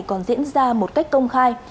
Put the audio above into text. còn diễn ra một cách công khai